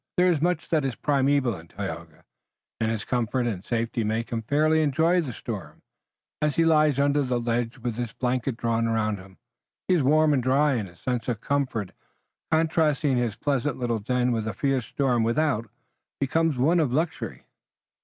There is much that is primeval in Tayoga, and his comfort and safety make him fairly enjoy the storm. As he lies under the ledge with his blanket drawn around him, he is warm and dry and his sense of comfort, contrasting his pleasant little den with the fierce storm without, becomes one of luxury."